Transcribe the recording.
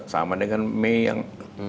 sama dengan mei yang sembilan puluh delapan